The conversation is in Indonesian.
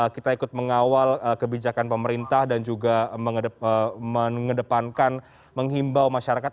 kita ikut mengawal kebijakan pemerintah dan juga mengedepankan menghimbau masyarakat